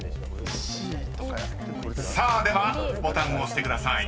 ［さあではボタンを押してください］